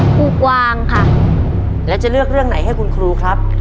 กวางค่ะแล้วจะเลือกเรื่องไหนให้คุณครูครับ